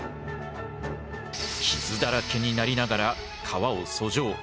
傷だらけになりながら川を遡上。